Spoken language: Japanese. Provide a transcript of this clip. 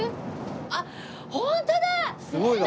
あっホントだ！